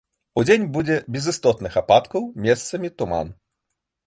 Удзень будзе без істотных ападкаў, месцамі туман.